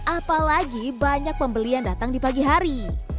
apalagi banyak pembeli yang datang di pagi hari